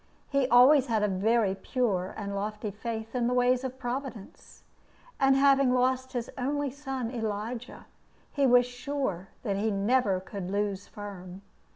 He always had a very pure and lofty faith in the ways of Providence, and having lost his only son Elijah, he was sure that he never could lose Firm.